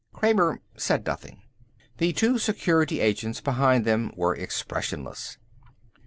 Kramer said nothing. The two Security Agents behind them were expressionless.